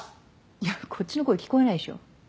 いやこっちの声聞こえないでしょ